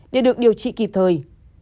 để được điều trị kịp thời